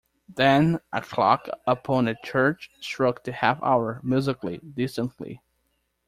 Then a clock upon a church struck the half-hour musically, distantly.